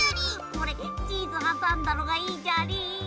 おれチーズはさんだのがいいじゃり。